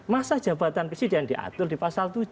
masa jabatan presiden diatur di pasal tujuh